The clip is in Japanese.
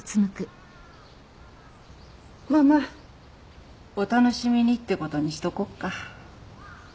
まあまあお楽しみにってことにしとこっか。